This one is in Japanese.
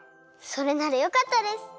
それならよかったです。